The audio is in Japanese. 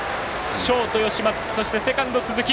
ショート、吉松そしてセカンド、鈴木。